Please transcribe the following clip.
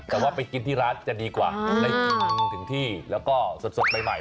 แต่ว่าไปกินที่ร้านจะดีกว่าได้กินถึงที่แล้วก็สดใหม่